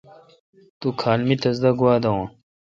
تو کھال مے°تس تہ گوا دون۔